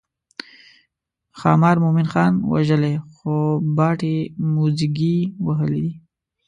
ښامار مومن خان وژلی خو باټې موزیګي وهلي دي.